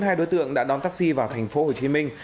hai đối tượng đã đón taxi vào thành phố hồ chí minh